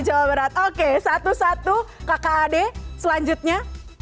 manug dadali jawa barat oke satu satu kkad selanjutnya